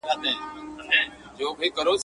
مرګ د زړو دی غم د ځوانانو.